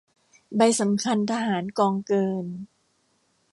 ใบสำคัญทหารกองเกิน